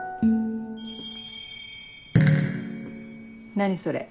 何それ。